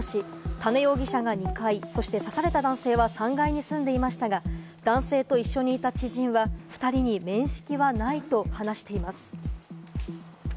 多禰容疑者が２階に、そして刺された男性は３階に住んでいましたが、男性と一緒にいた知人は２人に面識はないと話しています。